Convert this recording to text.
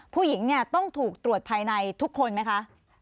ผู้หญิงเนี่ยต้องถูกตรวจภายในทุกคนไหมคะ